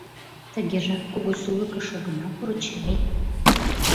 Тыгежак кугу сулыкыш огына пуро чай...